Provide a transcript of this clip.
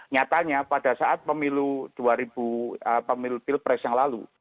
nyatanya pada saat pemilu dua ribu pemilu pilpres yang lalu